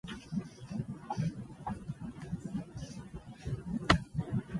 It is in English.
Spencer studied Speech pathology in Melbourne before pursuing interests in film and radio.